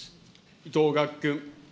伊藤岳君。